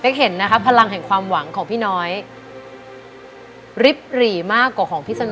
เห็นนะคะพลังแห่งความหวังของพี่น้อยริบหรี่มากกว่าของพี่สน